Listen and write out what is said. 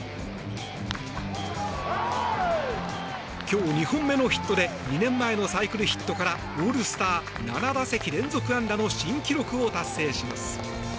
今日２本目のヒットで２年前のサイクルヒットからオールスター７打席連続安打の新記録を達成します。